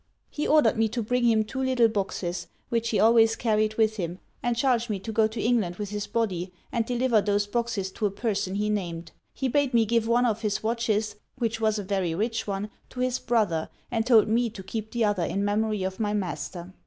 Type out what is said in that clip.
'He ordered me to bring him two little boxes, which he always carried with him, and charged me to go to England with his body, and deliver those boxes to a person he named. He bade me give one of his watches, which was a very rich one, to his brother, and told me to keep the other in memory of my master.